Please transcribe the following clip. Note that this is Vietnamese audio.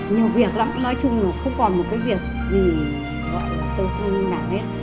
nhiều việc lắm nói chung là không còn một cái việc gì gọi là tôi không nản hết